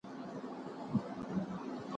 کښېناستل د زده کوونکي له خوا کيږي!